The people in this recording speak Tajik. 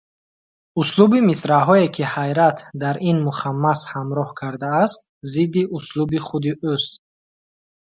Услуби мисраъҳое, ки Ҳайрат дар ин мухаммас ҳамроҳ кардааст, зидди услуби худи ӯст.